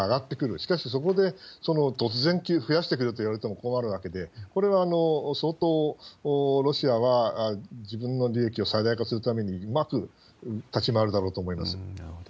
しかしそこで、その突然増やしてくれといわれても困るわけで、これは相当ロシアは自分の利益を最大化するために、うまく立ち回なるほど。